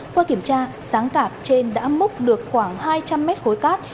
qua kiểm tra sáng tạp trên đã múc được khoảng hai trăm linh mét khối cát